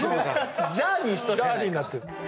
ジャーニーになってる。